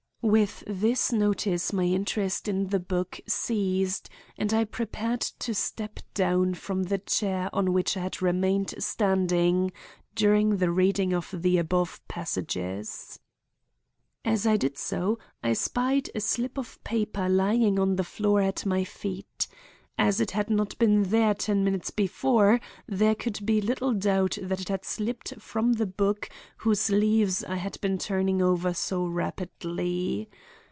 With this notice my interest in the book ceased and I prepared to step down from the chair on which I had remained standing during the reading of the above passages. As I did so I spied a slip of paper lying on the floor at my feet. As it had not been there ten minutes before there could be little doubt that it had slipped from the book whose leaves I had been turning over so rapidly.